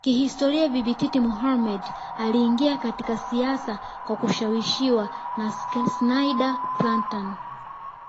Kihistoria Bibi Titi Mohammed aliingia katika siasa kwa kushawishiwa na Schneider Plantan